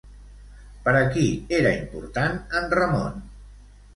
Per a qui era important en Ramon?